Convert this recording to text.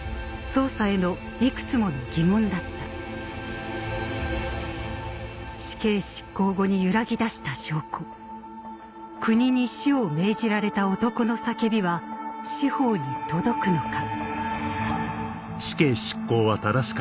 捜査へのいくつもの疑問だった死刑執行後に揺らぎだした証拠国に死を命じられた男の叫びは司法に届くのか